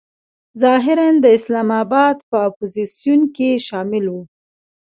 ظاهراً د اسلام آباد په اپوزیسیون کې شامل و.